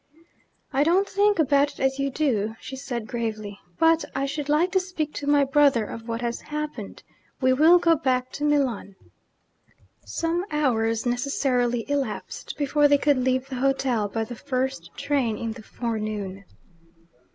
'I don't think about it as you do,' she said gravely. 'But I should like to speak to my brother of what has happened. We will go back to Milan.' Some hours necessarily elapsed before they could leave the hotel, by the first train in the forenoon.